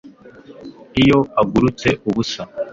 Iyo agurutse ubusa